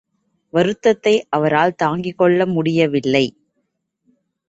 வருத்தத்தை அவரால் தாங்கிக் கொள்ள முடியவில்லை.